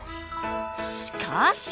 しかし！